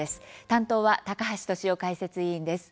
担当は高橋俊雄解説委員です。